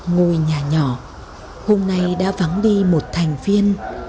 ngồi nhà nhỏ hôm nay đã vắng đi một thành viên